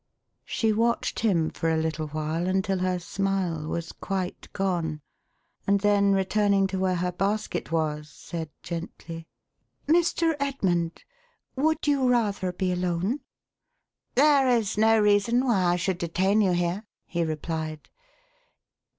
She watched him for a little while, until her smile was quite gone, and then returning to where her basket was, said gently :" Mr. Edmund, would you rather be alone ?" "There is no reason why I should detain you here," he replied.